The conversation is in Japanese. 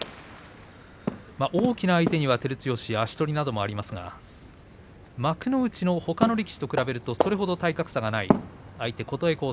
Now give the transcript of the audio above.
大きな相手には照強足取りなどもありますが幕内のほかの力士と比べるとそれほど体格差がない。